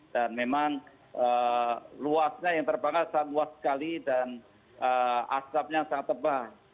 dan memang luasnya yang terbangnya sangat luas sekali dan asapnya sangat tebal